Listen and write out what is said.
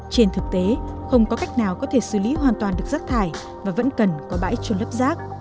trên thực tế không có cách nào có thể xử lý hoàn toàn được rác thải và vẫn cần có bãi trôn lấp rác